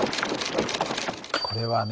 これはね